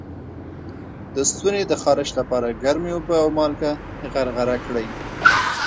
د ستوني د خارش لپاره ګرمې اوبه او مالګه غرغره کړئ